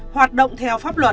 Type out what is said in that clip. hoạt động theo pháp luật